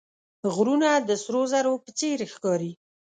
غرونه د سرو زرو په څېر ښکاري